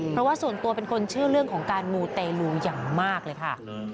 เพราะว่าส่วนตัวเป็นคนเชื่อเรื่องของการมูเตลูอย่างมากเลยค่ะ